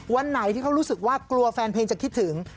วันไหนที่เขารู้สึกว่ากลัวแฟนเพลงจะคิดถึง